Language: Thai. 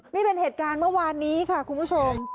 นี่เป็นเหตุการณ์เมื่อวานนี้ค่ะคุณผู้ชม